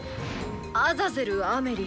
アザゼル・アメリ。